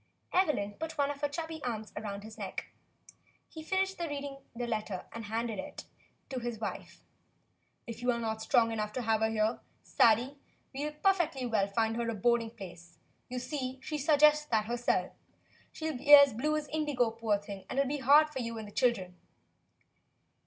Evelyn put one of her chubby arms around his neck. He finished reading the letter and handed it to his wife. "If you are not strong enough to have her here, Sadie, we can perfectly well find her a boarding place. You see, she suggests that herself. She'll be as blue as indigo, poor thing, and it '11 be too hard for you and the children."